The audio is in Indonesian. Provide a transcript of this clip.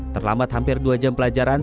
terlambat hampir dua jam pelajaran